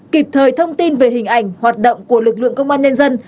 kịp thời thông tin về hình ảnh hoạt động của lực lượng công an nhân dân